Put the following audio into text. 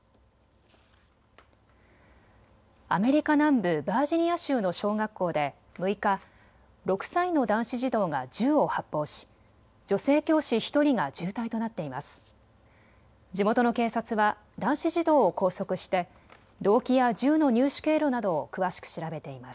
アメリカ南部バージニア州の小学校で６日、６歳の男子児童が銃を発砲し女性教師１人が重体となっています。